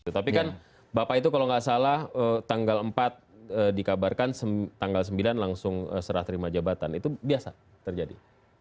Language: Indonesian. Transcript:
tapi kan bapak itu kalau nggak salah tanggal empat dikabarkan tanggal sembilan langsung serah terima jabatan itu biasa terjadi